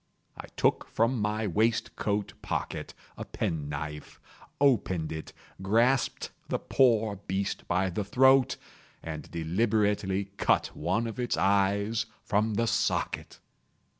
I took from my waistcoat pocket a pen knife, opened it, grasped the poor beast by the throat, and deliberately cut one of its eyes from the socket!